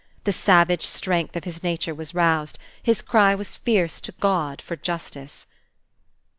The savage strength of his nature was roused; his cry was fierce to God for justice.